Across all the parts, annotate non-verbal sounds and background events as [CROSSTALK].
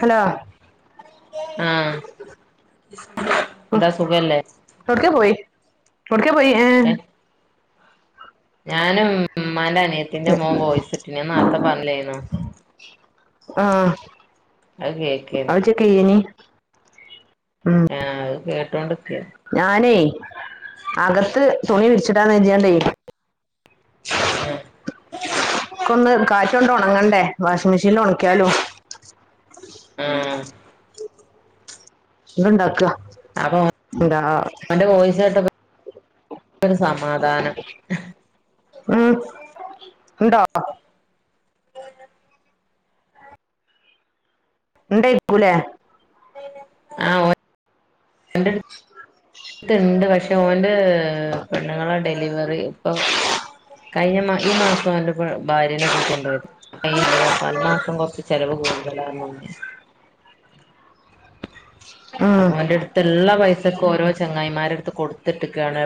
Hello ആ എന്താ സുഖല്ലേ എടക്കെപോയി ഏ ഞാനും മ്മാന്റെ അനിയത്തിന്റെ മോൻ വോയിസ് ഇട്ടിന് നാൻ നേത്തെ പറഞ്ഞില്ലായിന്ന ആ അത് കേക്കേന്ന് അജ കയ്നി ആ കേട്ട കൊണ്ടിരിക്ക ഞാനേ അകത്ത് തുണി വിടിച്ചിടാ നേരതിയാണ്ടേ ക്കൊന്ന് കാറ്റൊണ്ട് ഉണങ്ങണ്ടേ വാഷിംഗ് മെഷീനിൽ ഉണിക്കിയാലും ആ ആ ഇത്ണ്ടാക്ക അപ്പൊ ഓന്റെ വോയിസ് കേട്ടപ്പം സമാധാനം ണ്ടോ ണ്ടയിരിക്കൂലേ ആ [UNINTELLIGIBLE] പക്ഷെ ഓന്റെ ഹേ പെണ്ണുങ്ങളെ ഡെലിവറി ഇപ്പൊ കഴിഞ്ഞ ഈ മാസം അവന്റെ ഭാര്യനെ കൂട്ടിണ്ടോയത് [UNINTELLIGIBLE] ഈ മാസം കൊറച്ച് ചെലവ് കൂടുതലാന്ന ഉം അപ്പൊ ഓന്റെ ട്ത്ത് ള്ള പൈസക്ക് ഓരോ ചങ്ങായിമാര കൊടുത്തിട്ടക്കാണ്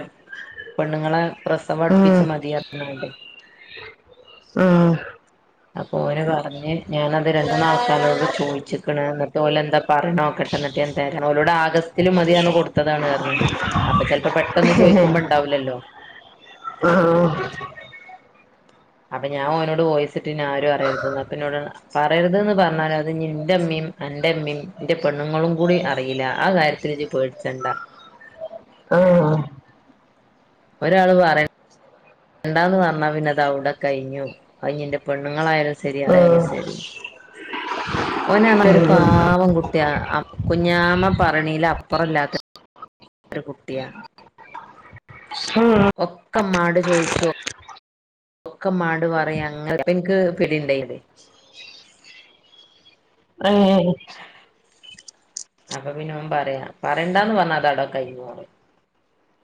പെണ്ണുങ്ങളെ പ്രസവം ഉം അടുപ്പിച്ച് മതി അ ർഞ്കാണ്ടേ ആ അപ്പൊ ഓന് പറഞ്ഞ് ഞാന് അത് രണ്ട് മൂന്ന് ആൾക്കാരോട് ചോയിച്ച്ക്ക്ണ് എന്നിട്ട് ഓലെന്താ പറിണത് ക്കട്ടെ എന്നിട്ട് ഞാൻ തരാ ഓലോടെ ആഗസ്റ്റ്ല് മതിന്ന് കൊടുത്തതാണ് പറഞ് അപ്പൊ ചിലപ്പോ പെട്ടന്ന് ഉം ചോയ്ക്കുമ്പം ഉണ്ടാവ്ല്ലല്ലോ ഉം അപ്പൊ ഞാൻ ഓനോട് വോയിസ്‌ വീട്ടിനി ആരും അറിയരുത്ന്ന് അപ്പ ഇന്നോട് പറഞ് പറയരുത് പറഞ്ഞാലും അത് ഇന്റെ ഇമ്മീം അന്റെ ഇമ്മീം ഇന്റെ പെണ്ണുങ്ങളും കൂടി അറീല്ല ആ കാര്യത്തില് ഇജ് പേട്ച്ചണ്ട ഉം ഒരാള് പറ ണ്ടാന്ന് പറഞ്ഞാ പിന്നത് അവ്ടെ കഴിഞ്ഞു അത് ന്റെ പെണ്ണുങ്ങളായാലും ശരി ആയാലും ശരി ഓന് ആ പറ ഒരു പാവം കുട്ടിയാ കുഞ്ഞാമ്മ പറിണില് അപ്പറം ഇല്ലാത്ത ഒരു കുട്ടിയാ ഉം ഒക്ക മ്മാട് ചോയിച്ചോ ഒക്കമാട് പറയാ അങ്ങൻതോൽക്ക്‌ [UNINTELLIGIBLE] ഏയ് അപ്പൊ പിന്നെ ഓൻ പറയാ പറേണ്ടാന്ന് പറഞ്ഞ അത് അവിടെ കഴിഞ്ഞു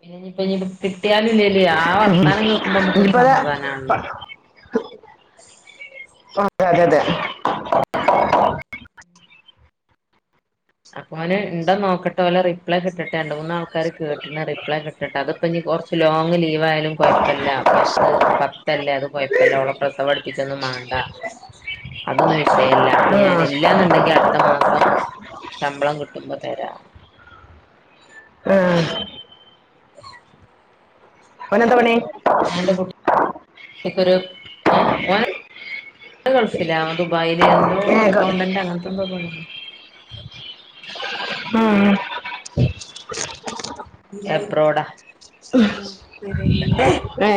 പിന്നെ ഇനിപ്പം ഇത് കിട്ടിയാലും ഇല്ലെ ആ വർത്താനം കേക്കുമ്പോ മുക്കൊരു ഇനിയിപ്പോ അതെ സമാധാനാണല്ലോ അതെതെ അപ്പൊ ഓന് ഇണ്ടോ നോക്കട്ടെ ഓലെ റിപ്ലൈ കിട്ടട്ടെ രണ്ട് മൂന്ന് ആൾക്കാര് കേട്ട്ണ് റിപ്ലൈ കിട്ടട്ടെ അത്പ്പോ കൊർച്ച് ലോങ് ലീവ് ആയാലും കൊഴപ്പല്ല പത്ത് പത്തല്ലേ അത് കൊഴപ്പല്ല ഓളെ പ്രസവ അട്പ്പിച്ചൊന്നും മാണ്ട അതൊന്നും വിശയല്ല ഞാൻ ഉം ഇല്ലാന്നുണ്ടെങ്കി അടുത്ത മാസം ശമ്പളം കിട്ടുമ്പോ തരാം ഉം ഓനെന്താ പണി [UNINTELLIGIBLE] കുട്ടിക്ക് ഒരു ഹേ ഓൻ ഗൾഫിലാ ദുബായില് എന്തോ ഏ അക്കൗണ്ടന്റ് അങ്ങനത്തെ എന്തോ പ ഉം എബ്രോട് ആഹാ ഏ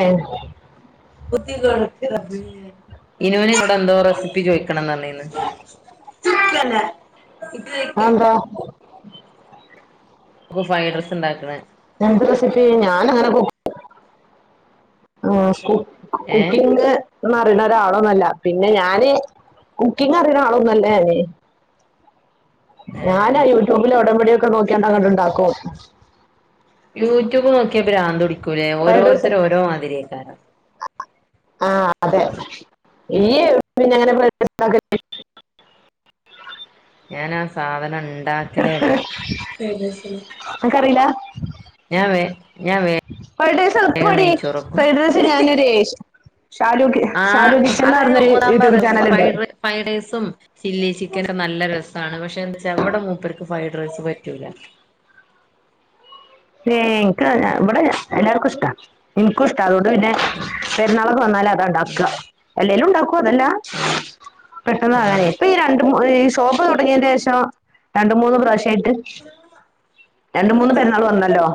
ഇനി ഓന് ഇവിടെ എന്തോ റെസിപ്പി ചോയ്ക്കണോന്ന് പറനിന്ന് അതെന്താ ഇപ്പൊ ഫൈഡ്രെയ്സ് ഉണ്ടാക്ക്‌ണേ എന്റെ റെസിപ്പി ഞാനങ്ങനെ ഫു ഓഹ് സ്ക്കൂ ഏ കുക്കിംങ് [UNINTELLIGIBLE] അറിയണ ഒരാളൊന്നല്ല പിന്നെ ഞാന് കുക്കിങ് അറിണേ ആളൊന്നുല്ല ഞാന് ഏ ഞാനാ യൂട്യൂബില് ഓടമ്പടി ക്കെ നോക്കി [UNINTELLIGIBLE] ണ്ടാക്കും. യൂട്യൂബ് നോക്ക്യ ഭ്രാന്ദ് ഉടി കുലേ. ഫ്രൈഡ് റൈസ് ഓരോര്ത്തരും ഓരോ മാതിരയ്ക്കാരം. ആഹ് അതെ [UNINTELLIGIBLE] ഞാനാ സാധനം ണ്ടാക്കലേ അല്ല. ഫെയ്ടേസ ലെ അൻക്കറീലാ? ഞാൻ വേഗം ഫൈടേസെൾപ്പാടീ നെയ്ച്ചോറക്കും ഫൈഡ്രേസ് ഞാനൊരേഷ് ആ അത് പറഞ്ഞൊരു യൂട്യൂബ് [UNINTELLIGIBLE] ചാനലുണ്ട് ഫൈഡ്രേ ഫൈടേസും ചില്ലി ചിക്കനും നല്ല രസാണ്. പക്ഷെ എന്താ ച്ചാ ഇവടെ മൂ പർക്ക് ഫൈഡ്റൈസ് പറ്റൂല. ഏഹ് ഇൻക് വെടെ എല്ലാർക്കുഷ്ട്ടാ. ഇൻക്കുഷ്ട്ടാ അതോ ത് പിന്നെ പെരുന്നാളൊക്കെ വന്നാല അതാണ്ടാക്ക. ഉം എല്ലെലും ഉണ്ടാ കൊതല്ല ഏ പെട്ടെന്ന് ആ അനെ ഇപ്പഈ രണ്ട് മൂ ഏ ഷോപ് തൊട്ങ്ങേന്റെഷം രണ്ട് മൂന്ന് പ്രാവ്ഷ് ഏൻട്ട് രണ്ട് മൂന്ന് പെരുന്നാൾ വന്ന് ട്ടോ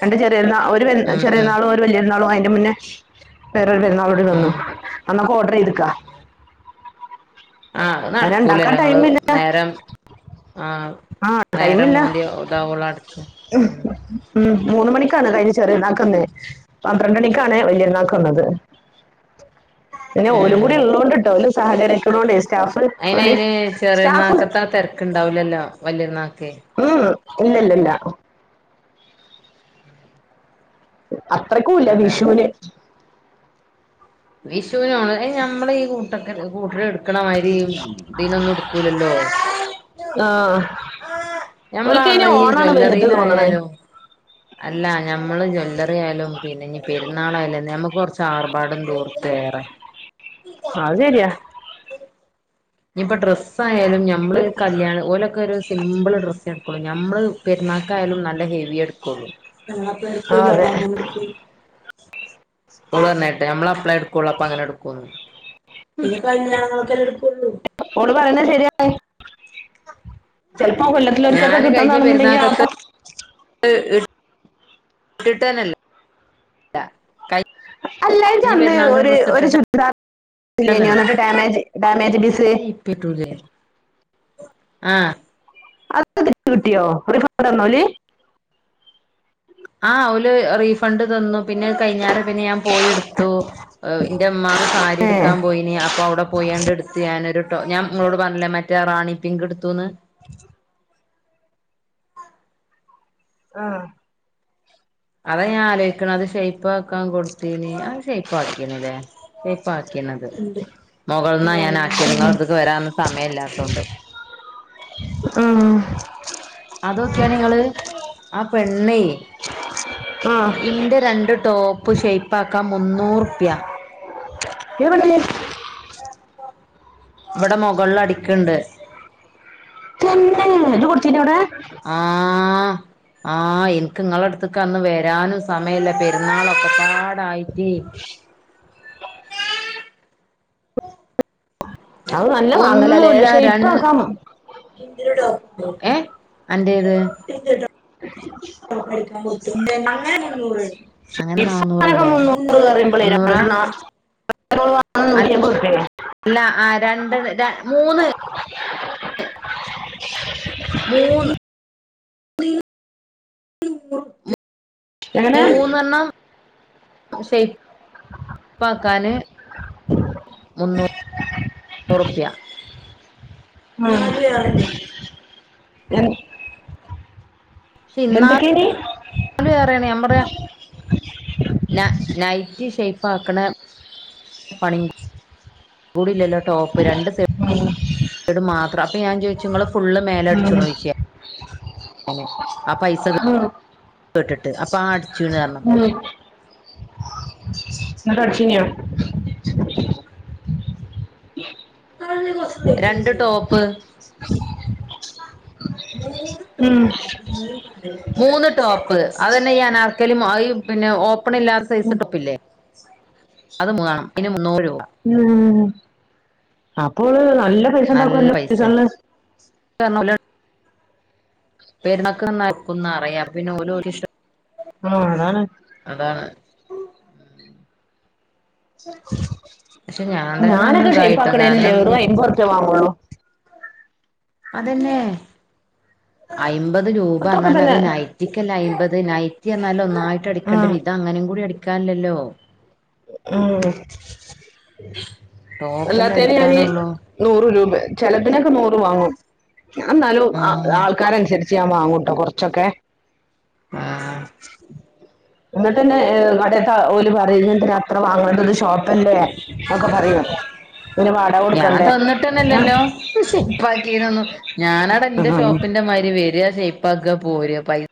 രണ്ട് ചെറിയര്ന്നാ ഒരു വെൽ ഉം ഉം ചെറിയര്ന്നാളു ഒരു വല്യര്ന്നാളു അയിന്റെ മുന്നേ [UNINTELLIGIBLE] [UNINTELLIGIBLE] പെരുന്നാളൂട് നിന്നു ഉം അന്നൊക്ക ഓർഡർ ചെയ്ത്ക്കാ ആഹ് നട്ക്കൂലല്ലോ ങ്ങള് ടൈമില്ല നേരം ആഹ് ആ നേരം ടൈമില്ല മോന്ത്യ ഉ താഓള അടച്ച് ഉം മൂന്ന് മണിക്കാണ് കഴിഞ ചെറിയര്ന്നാക്ന്നീഞെ. പന്ത്രണ്ട് മണിക്കാണ് വലിയര്ന്നാക്കന്നത്. പിന്നെ ഏ ഓലും കൂടി ള്ളോണ്ട്ട്ടോ [UNINTELLIGIBLE] സഹകരിക്ക്ണോണ്ടീസ് അയിനയ് ന് ചെറിയര്ന്നാക്കത്താ തെര്ക്ണ്ടാവ് ലല്ലോ വല്ലന്നക്കെ ഇല്ല ഇല്ലല്ല ഉഹ അത്രക്കല്ല വിഷുവിന് വിശ് ക ആഹ് ഓൽക്ക് ഇന്നും അയിന് ഓണാണ് വലുത് തോന്നണേ അല്ലമ്മ ആാലും പിന്നെ ഇനി പെരുന്നാളായാലും നമക്ക് കുറച്ച് ആർപാട തോന്നും ആതരിയ ഇനി ഇപ്പ ഡ്രസ്സ് ആായാലും നമ്മള് കല്യാണം ഓലൊക്കെ ഒരു സിമ്പിൾ ഡ്രസ്സണ് നമ്മള് പെരുന്നക്കായാലും നല്ല ഹെവി എടുക്കുള്ളൂ ഞമ്മ അപ്പ ആ എടുക്കൂല അതെ വാങ്ങൻ എടുക്കും ഉായിട്ട് നമ്മള അപ്പളേ എടുക്കുവുള്ളൂ അപ്പൊ അങ്ങനെ എടുക്കുവന്ന് ഈ കല്യാണങ്ങൊക്കെല്ല എടുപ്പള്ളൂ ഓട് പറയന്ന ശരിയ ചിലപ്പോ കൊല്ലത്തിലൊർക്കൊക്കെ ഞാന് കിട്ടാൻ കഴിഞ്ഞ തണുന്നുണ്ടെങ്കി ആപ്പ പെരുന്നാക്കത്തെ കിട്ടാനല്ലേ അല്ല ക അല്ലാും ചന്ന് ഒരു ഒരു ഇട്ടിട്ടന്നില്ല ശുദ്ിട്ട് ഡാമേജ് ഡാമേജ് ബിസ് ആഹ അത്തി കിട്ടിയോ ിക്കോട്ട്ന്നല ആഹ് ഒരുല് റീഫണ്ട് തന്നു പിന്നെ കൈിഞ്ഞേരം പിന്നെ ഞാൻ പോയി എടുത്തു എന്റെ അ്മാക്ക് സാരി ഏ എടുക്കാൻ പോയിന് അപ്പ അവിടെ പോണ്ട് എടുത്ത് ഞാനൊരു കേട്ടോ ഞാൻ നിോട് പറഞ്ഞില്ലേ മറ്റേറാണി പിങ്ക്ടുുന്ന് ആഹ അത ഞാൻ ആലോചിക്കണം അത് പ്പാക്കാൻ കൊടുത്തീന ആ േപ്പാക്കിയണല്ലേ ഷേപ്പാക്കീണത് മുകളൾന്നാ ഞാൻ ആക്കിയ നിങ്ങള അടുത്തക്ക് വരന്ന സമയം ഇല്ലാത്തോണ്ട് ഉ അതൊക്കെയാ നിങ്ങള് ആ പെണ്ണേ ആ ഇന്റെ രണ്ട് ടോപ്പ് ഷറ്റ് പാക്ക മുന്നൂറ്പ്യ [UNINTELLIGIBLE] ഇവടെ മൊകൾല് അടിക്കണ്ട്. [UNINTELLIGIBLE] ഇത് കൊടുത്തീല്ലവടെ? ആ ആ എനിക്ക് ങ്ങള അടുത്തേക്കന്ന് വരാനും സമയല്ല. പെരുന്നാളൊക്കപ്പാടായിട്ടേ. അത് നല്ല മാങ്ങലല്ലേ ഒന്നൂല്ല രൻ ഷെയ്പ്പാക്കാം [UNINTELLIGIBLE] ഏഹ് അന്റേത് [UNINTELLIGIBLE] അങ്ങേ [UNINTELLIGIBLE] അങ്ങനെ അങ്ങനൊക്കെ നാന്നൂറല്ലേ? മുന്നൂറ്. മുന്നൂറാ? ആ [UNINTELLIGIBLE] നൂറ്റിഅമ്പത് ഉറ്പ്യയാ അല്ല ആ രണ്ട് ര മൂന്ന് എങ്ങനെ ഉ മൂന്നെണ്ണം ഷെയ്പ്പാക്കാന് നു ‌ നൂറുപ്യ ആ എ പക്ഷേ ഇന്നാ നീ ത് വേറേണ് ഞമ്മടെ ന നൈറ്റി ഷേപ്പാക്കണ പണിം കൂടില്ലല്ലോ ടോപ്പ് രണ്ട് സൈ ഡ് മാത്രം. അപ്പ ഞാൻ ചോദിച്ചു ങ്ങള് ഫുള്ള് മേലടിച്ചുണോയ്ക്ക ങ്ങനെ ആ പൈസ കേ കേട്ടിട് ട്ട് അപ്പ ആ അട് ച്ചൂണ് പറഞ്ഞപ്പോ എന്നട്ട അടിച്ചിനിയോ? രണ്ട് ടോപ്പ് [UNINTELLIGIBLE] മൂന്ന് ടോപ്പ് അതന്നെ ഞാൻ ആക്കലും ആയും പിന്നെ ഓ പ്പണില്ലാത്ത സൈസ് ടോപ്പില്ലേ? അത് മേണം അയിന് മുന്നൂറ് രൂ ഉം ആ കൊള്ളാ നല്ല നല്ല പൈസണ്ടാക്കുംല്ലോ പൈസ [UNINTELLIGIBLE] പെരുമക്കള് നോക്കുംന്ന് അറയാം. അപ്പോ പിന്നെ ഓല് ഓല്ടെ ഇഷ്ടം. ആഹ് അതാണ് അതാണ് പക്ഷെ ഞാൻ തന്നെ അന്ന് ഞാനൊക്കെ ഇതായിട്ടോ ഷൈപ്പാക്കണെനു കാരണം വെറും ഇനി അയ്മ്പത് റുപ്പിയെ വാങ്ങുള്ളൂ അതെന്നെ അയ് അമ്പത് രൂപ അത്രയൊക്കെ എന്നാല് അത് തന്നെ നൈറ്റിക്കല്ലേ അയ്മ്പത് നൈറ്റി എന്നാല് ഒന്നാ ആയിട്ട് ആ അടിക്കണ്ടെ ഒരു ഇത് അങ്ങനെ കൂടി അടിക്കാല്ലല്ലോ അല്ലാത്തെന് ഞാനു നൂറ് രൂപ ചെലപ്പിനൊക്കെ നൂറ് വാങ്ങും ഞാൻ എന്നാലും ആ ആഹ് ആൾക്കാരനുസരി ഞാൻ വാങ്ങൂട്ടോ കുറച്ചൊക്കെ ആഹ് എന്നിട്ടന്നെ കട [UNINTELLIGIBLE] ഒരു പറയുന്നു ഇതിനു അത്ര വാങ്ങണ്ട ഷോപ്പ് പിന്നെ വാടക ഞാൻ കൊടുക്കണ്ടേ ആ തന്നിട്ട്ന്നല്ലല്ലോ ഷേപ്പാക്കിനൊന്നും ഞാനടെ എന്റെ ഷോപ്പിന്റെ മാതിരി വരിക ഷേ [UNINTELLIGIBLE] പോര്ക പൈസ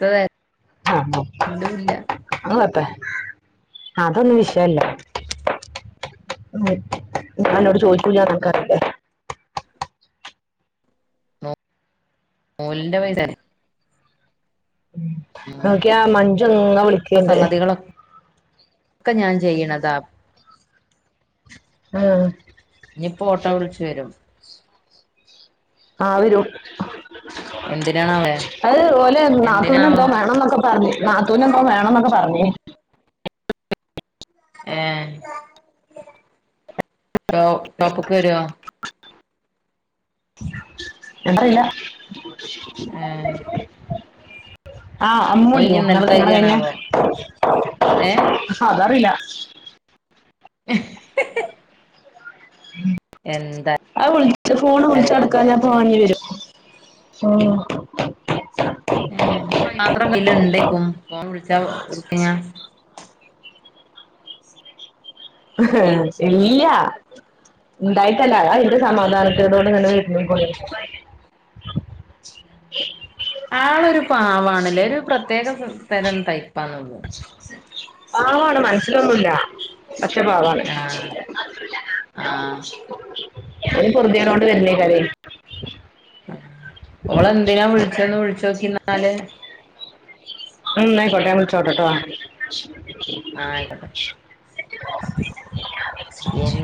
ത ആഹ് അങ്ങത്തെ അതൊന്നും വിഷയല്ല [UNINTELLIGIBLE] ചോദി [UNINTELLIGIBLE] നടക്കാറില്ലേ [UNINTELLIGIBLE] പൈസ തരെ നോക്കിയാ മഞ്ചു ഇങ്ങനെ വിളിക്കണുണ്ട് ഒക്കെ ഞാന് ചെയ്യണതാ ആഹ് ഇനിയിപ്പൊ ഓട്ടോ വിളിച്ചു വരും ആ വരും എന്തിനാണാവോ അത് ഓലെ നാത്തൂന് എന്തിനാവോ എന്തോ വേണം എന്നൊക്കെ പറഞ്ഞു നാത്തൂവിന് എന്തോ വേണംന്നൊക്കെ പറഞ്ഞു ഏഹ് ടൊ ടോപ്പ്ക്ക് വരുവോ എന്താ ഇല്ല [UNINTELLIGIBLE] ഏഹ് ഉ ആഹ് ഇന്നും അമ്മൂല്ലേ ഇഞ്ഞി ഇന്നാള് ഇന്നലത്തെ കല്യാണം കഴിഞ്ഞ മാതിരിയാണാവോ ഏഹ് അതറിയില്ല ഹി ഹി അത് വിളിച്ച ഫോണ് വിളിച്ച പറയാ എടുക്കാ ഞാൻ അങ്ങനെയൊക്കെ പോവേണ്ടി വരും ഓ ഉം [UNINTELLIGIBLE] ഇല്ല ഉണ്ടായിട്ടല്ല അതാ ഇവിടെ സമാധാനതോടെ കൂടെ ഇവിടെ [UNINTELLIGIBLE] ആളൊരു പാവാണല്ലേ ഒരു പ്രത്യേക തരം ടൈ [UNINTELLIGIBLE] മനസ്സിലൊന്നുല്ല പറ്റ പാവാണ്. ആഹ് ആഹ് എൻ പൊർദ്യടോണ്ട് വര്ന്നേയ്കാരേ ഓളെന്തിനാ വിളിച്ചെന്ന് വിളിച്ചോക്കിന്നാല്. ഉം ന്നായ്ക്കോട്ടെ ആൻ വിൾച്ചോട്ടെട്ടോ? ആഹ് ആയ്ക്കോട്ടെ. എൻ